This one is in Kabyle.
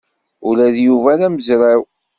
Ula d Yuba d amezraw.